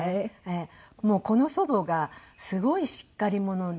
もうこの祖母がすごいしっかり者で。